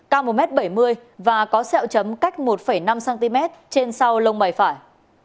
cao một m bảy mươi và có sẹo chấm cách một năm cm trên sau lông mày phải